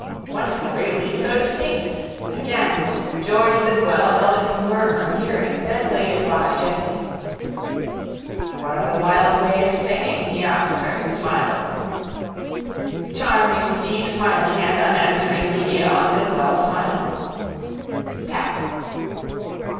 Wonderful really. So distinct. Again. George Lidwell held its murmur, hearing: then laid it by, gently. —What are the wild waves saying? he asked her, smiled. Charming, seasmiling and unanswering Lydia on Lidwell smiled. Tap.